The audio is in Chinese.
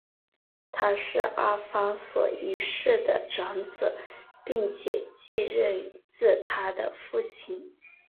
他是阿方索一世的长子并且继任自他的父亲。